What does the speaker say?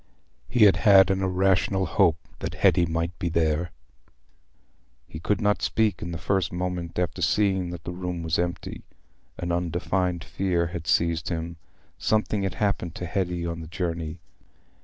He had had an irrational hope that Hetty might be there. He could not speak in the first moment after seeing that the room was empty; an undefined fear had seized him—something had happened to Hetty on the journey.